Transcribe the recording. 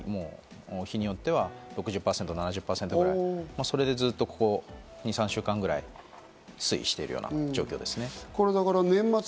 陽性率というのも日によっては６０％から７０％ぐらい、それでずっと２３週間ぐらい推移しているような状況です。